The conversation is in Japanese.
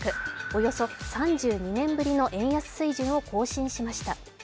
およそ３２年ぶりの円安水準を更新しました。